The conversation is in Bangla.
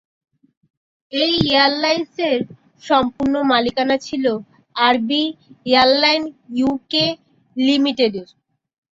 এই এয়ারলাইন্সের সম্পূর্ণ মালিকানা ছিল আর বি এয়ারলাইন ইউকে লিমিটেডের।